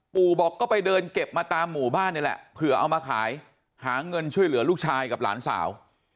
ปู่บอกก็ไปเดินเก็บมาตามหมู่บ้านนี่แหละเผื่อเอามาขายหาเงินช่วยเหลือลูกชายกับหลานสาว